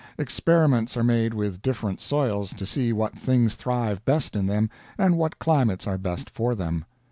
Experiments are made with different soils, to see what things thrive best in them and what climates are best for them.